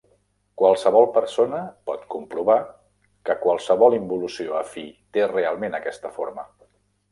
Qualsevol persona pot comprovar que qualsevol involució afí té realment aquesta forma.